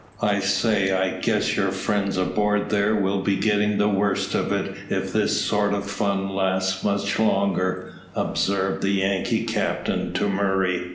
"I say, I guess your friends aboard there will be getting the worst of it if this sort of fun lasts much longer," observed the Yankee captain to Murray.